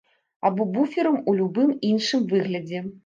Або буферам у любым іншым выглядзе?